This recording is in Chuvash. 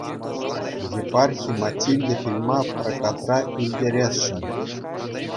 Епархи «Матильда» фильма прокартра илтересшӗн.